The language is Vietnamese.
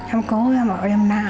em cố em ở em nặng